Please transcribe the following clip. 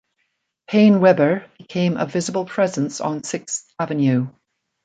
PaineWebber became a visible presence on Sixth Avenue.